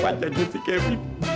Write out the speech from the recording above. panjangnya si kevin